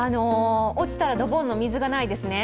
落ちたらドボンの水がないですね。